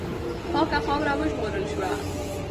پاکه خاوره وژغورل سوه.